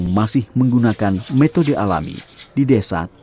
menutup batik ini harus menggunakan metode alami di desa tanjung bumi salah satunya supinah